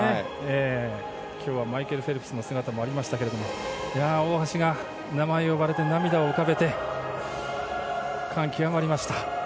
今日はマイケル・フェルプスの姿もありましたが大橋が名前を呼ばれて涙を浮かべて感極まりました。